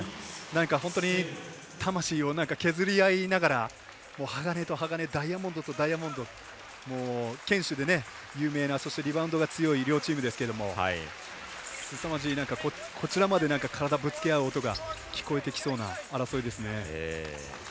本当に魂を削り合いながら鋼と鋼ダイヤモンドとダイヤモンド堅守で有名な、リバウンドが強い両チームですけどすさまじい、こちらまで体をぶつけ合う音が聞こえてきそうな争いですね。